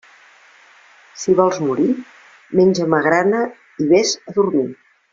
Si vols morir, menja magrana i vés a dormir.